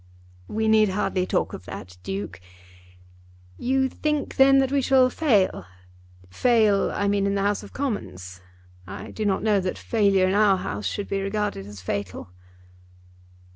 "We need hardly talk of that, Duke. You think then that we shall fail; fail, I mean, in the House of Commons. I do not know that failure in our House should be regarded as fatal."